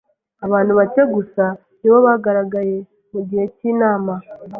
Abantu bake gusa nibo bagaragaye mugihe cyinama.